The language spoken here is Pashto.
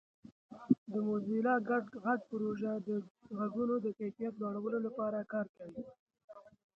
د موزیلا ګډ غږ پروژه د غږونو د کیفیت لوړولو لپاره کار کوي.